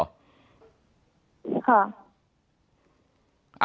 ค่ะ